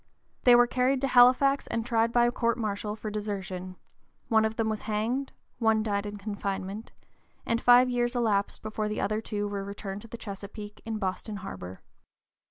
They were carried to Halifax and tried by court martial for desertion: one of them was hanged; one died in confinement, and five years elapsed before the other two were returned to the Chesapeake in Boston harbor.